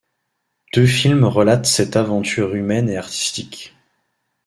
Deux films relatent cette aventure humaine et artistique.